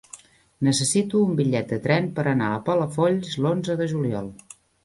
Necessito un bitllet de tren per anar a Palafolls l'onze de juliol.